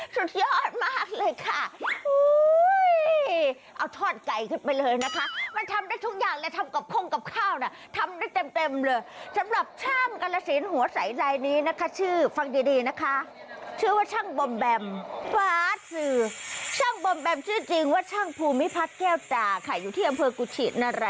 ใช้พลังงานจากของเหลือใช้ดูสิ